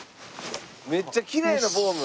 めっちゃきれいなフォーム。